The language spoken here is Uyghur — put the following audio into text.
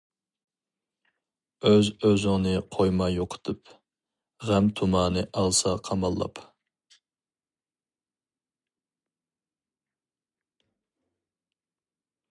ئۆز-ئۆزۈڭنى قويما يوقىتىپ، غەم تۇمانى ئالسا قاماللاپ.